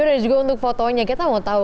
dan juga untuk fotonya kita mau tahu